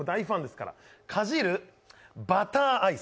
かじるバターアイス。